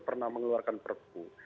pernah mengeluarkan perpu